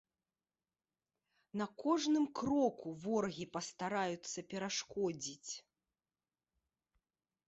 На кожным кроку ворагі пастараюцца перашкодзіць.